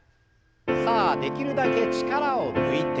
さあできるだけ力を抜いて。